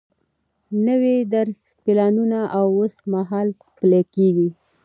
نوي درسي پلانونه اوس مهال پلي کیږي.